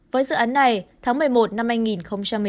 với dự án này tháng một mươi một năm hai nghìn một mươi chín